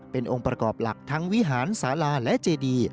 เป็นองค์ประกอบหลักทั้งวิหารสาราและเจดี